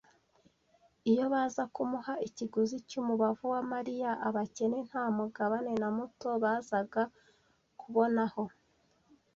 Iyo baza kumuha ikiguzi cy'umubavu wa Mariya, abakene nta mugabane na muto bazaga kubonaho.